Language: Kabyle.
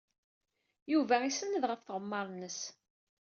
Yuba isenned ɣef tɣemmar-nnes.